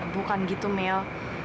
bukan gitu mil